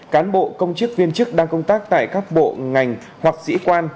cán bộ công chức viên chức đang công tác tại các bộ ngành hoặc sĩ quan